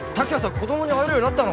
子供に会えるようになったの？